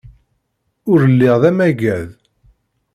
Ur lliɣ d amagad.